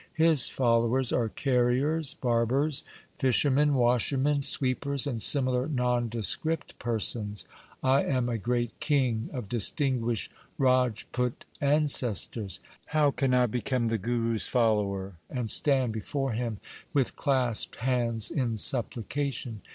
His followers are carriers, barbers, fishermen, washer men, sweepers, and similar nondescript persons. I am a great king of distinguished Rajput ancestors. How can I become the Guru's follower and stand before him with clasped hands in supplication